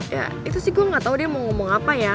ya itu sih gue gak tau dia mau ngomong apa ya